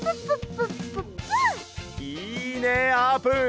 いいねあーぷん！